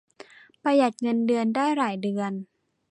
ประหยัดเงินเดือนได้หลายเดือน